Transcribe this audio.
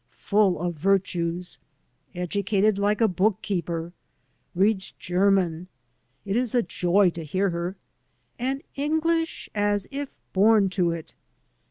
Pull of virtues. Educated like a bookkeeper. Reads German — ^it is a joy to hear her; and English, as if bom to it."